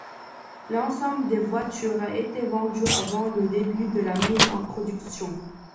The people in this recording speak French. L'ensemble des voitures a été vendu avant le début de la mise en production.